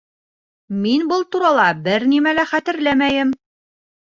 Мин был турала бер нәмә лә хәтерләмәйем